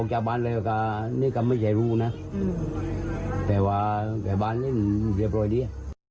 ป่ะบานแบบนี้โดยไม่ใช่ความรู้นะแต่ว่าในบ้านเป็นเรียบร้อยดี